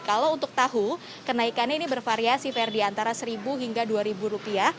kalau untuk tahu kenaikannya ini bervariasi ferdi antara rp satu hingga rp dua